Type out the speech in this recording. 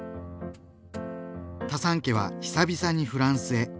タサン家は久々にフランスへ。